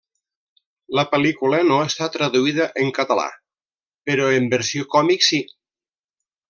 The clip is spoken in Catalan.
La pel·lícula no està traduïda en català, però en versió còmic sí.